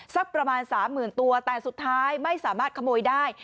สักประมาณสามหมื่นตัวแต่สุดท้ายไม่สามารถขโมยได้